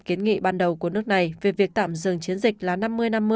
kiến nghị ban đầu của nước này về việc tạm dừng chiến dịch là năm mươi năm mươi